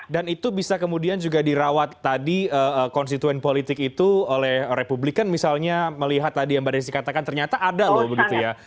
dan itu bisa kemudian juga dirawat tadi konstituen politik itu oleh republikan misalnya melihat tadi yang pada disikatakan ternyata ada loh begitu ya